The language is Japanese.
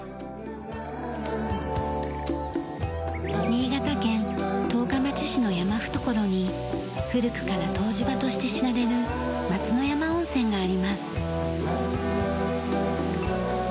新潟県十日町市の山懐に古くから湯治場として知られる松之山温泉があります。